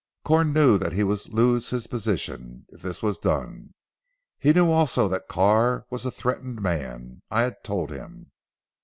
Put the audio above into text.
Corn knew that he would lose his position, if this was done. He knew also that Carr was a threatened man; I had told him.